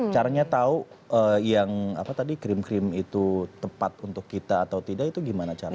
caranya tahu yang apa tadi krim krim itu tepat untuk kita atau tidak itu gimana caranya